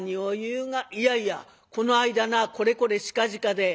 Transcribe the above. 「いやいやこの間なこれこれしかじかで」。